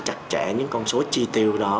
chặt chẽ những con số chi tiêu đó